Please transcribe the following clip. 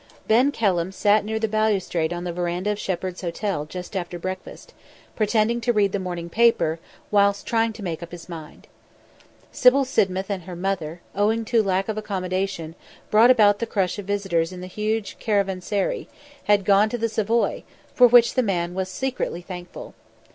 Ben Kelham sat near the balustrade on the verandah of Shepheard's Hotel just after breakfast, pretending to read the morning paper, whilst trying to make up his mind. Sybil Sidmouth and her mother, owing to lack of accommodation, brought about by the crush of visitors in the huge caravanserai, had gone to the Savoy; for which the man was secretly thankful.